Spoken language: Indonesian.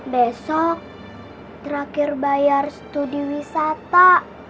besok terakhir bayar studi wisata